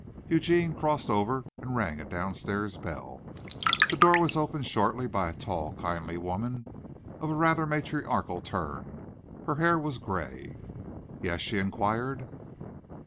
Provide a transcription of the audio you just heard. Eugene crossed over and rang a downstairs bell. The door was opened shortly by a tall, kindly woman, of a rather matriarchal turn. Her hair was gray. "Yes?" she inquired.